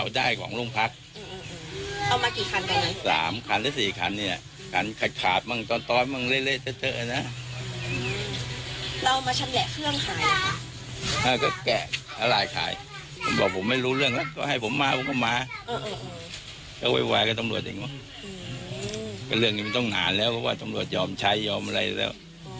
ต้องนานแล้วเพราะว่าตำรวจยอมใช้ยอมอะไรแล้ว